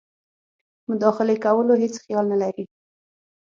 مداخلې کولو هیڅ خیال نه لري.